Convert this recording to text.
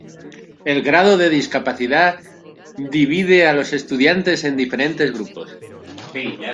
El grado de discapacidad divide a los estudiantes en diferentes grupos.